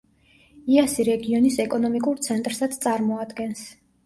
იასი რეგიონის ეკონომიკურ ცენტრსაც წარმოადგენს.